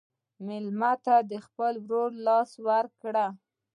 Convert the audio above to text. مېلمه ته د خپل ورور لاس ورکړه.